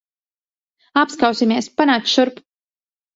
Apskausimies. Panāc šurp.